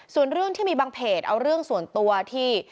ส่วนเรื่องที่มีบางเพจเอาเรื่องส่วนตัวที่